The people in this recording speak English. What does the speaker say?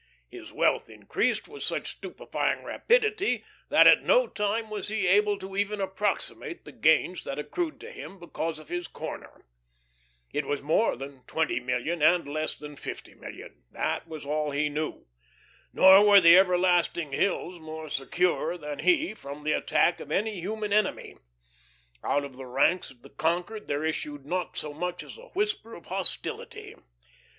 His wealth increased with such stupefying rapidity, that at no time was he able to even approximate the gains that accrued to him because of his corner. It was more than twenty million, and less than fifty million. That was all he knew. Nor were the everlasting hills more secure than he from the attack of any human enemy. Out of the ranks of the conquered there issued not so much as a whisper of hostility.